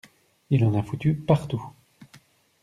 Il en a foutu partout.